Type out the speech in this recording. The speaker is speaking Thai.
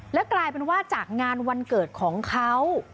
แล้วกลายเป็นว่าจากงานวันเกิดของเขา